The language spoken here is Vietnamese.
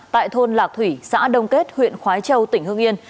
tại thôn lạc thủy xã đông kết huyện khói châu tỉnh hương yên